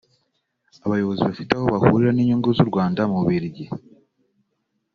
abayobozi bafite aho bahurira n’inyungu z’u Rwanda mu Bubiligi